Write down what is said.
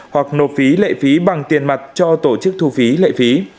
hoặc nộp phí lệ phí bằng tiền mặt cho tổ chức thu phí lệ phí